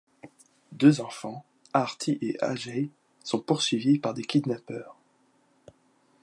Deux enfants, Aarti et Ajay, sont poursuivis par des kidnappeurs.